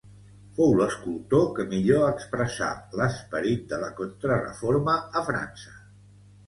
Fou l’escultor que millor expressà l’esperit de la Contrareforma a França.